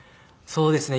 そうですね。